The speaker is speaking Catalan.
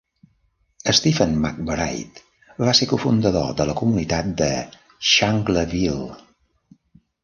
Stephen McBride va ser cofundador de la comunitat de Shankleville.